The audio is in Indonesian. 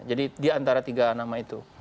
jadi diantara itu